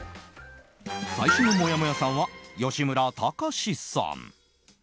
最初のもやもやさんは吉村崇さん。